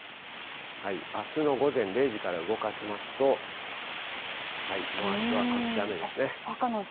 あすの午前０時から動かしますと、もうあすは各地、雨ですね。